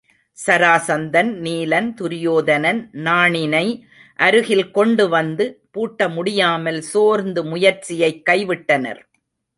சராசந்தன், நீலன், துரியோதனன் நாணினை அருகில் கொண்டு வந்து பூட்ட முடியாமல் சோர்ந்து முயற்சியைக் கைவிட்டனர்.